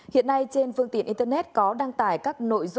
hiện nay trên phương tiện internet có đăng tải các nội dung giới thiệu